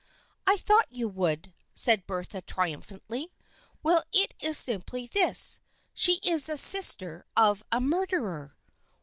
" I thought you would," said Bertha trium phantly. " Well, it is simply this. She is the sister of a murderer."